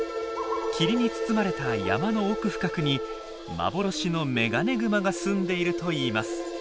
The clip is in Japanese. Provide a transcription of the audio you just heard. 霧に包まれた山の奥深くに幻のメガネグマが住んでいるといいます。